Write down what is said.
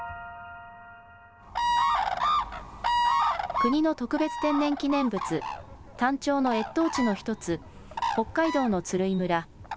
国の特別天然記念物、タンチョウの越冬地の１つ、北海道の鶴居村。